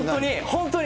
本当に。